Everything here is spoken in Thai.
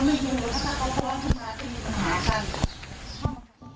มีปัญหาน่ะ